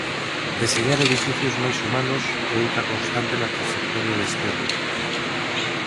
Deseñar edificios máis humanos é outra constante na traxectoria de Stirling.